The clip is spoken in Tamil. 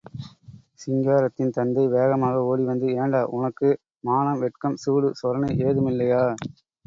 சிங்காரத்தின் தந்தை வேகமாக ஓடி வந்து ஏண்டா, உனக்கு மானம் வெட்கம் சூடு சொரணை ஏதுமில்லையா!